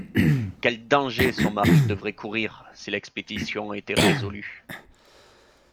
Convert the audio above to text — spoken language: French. Quels dangers son mari devrait courir, si l'expédition était résolue!